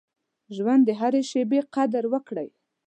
د ژوند د هرې شېبې قدر وکړئ.